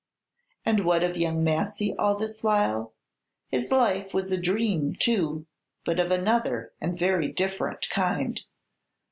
And what of young Massy all this while? His life was a dream, too, but of another and very different kind.